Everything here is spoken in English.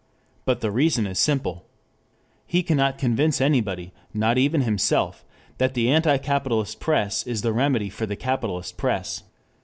But the reason is simple. He cannot convince anybody, not even himself, that the anti capitalist press is the remedy for the capitalist press.